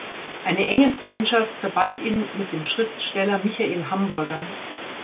Eine enge Freundschaft verband ihn mit dem Schriftsteller Michael Hamburger.